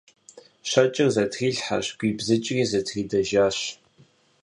Щэкӏыр зэтрилъхьэщ, гуибзыкӏри зэтридэжащ.